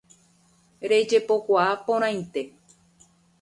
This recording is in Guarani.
Rejepokuaa porãite